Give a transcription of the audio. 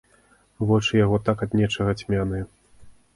Вочы яго так ад нечага цьмяныя.